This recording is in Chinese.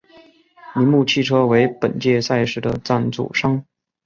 铃木汽车为本届赛事的赞助商。